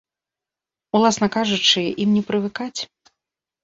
Уласна кажучы, ім не прывыкаць.